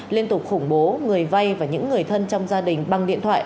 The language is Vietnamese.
lên tục khủng bố người vai và những người thân trong gia đình bằng điện thoại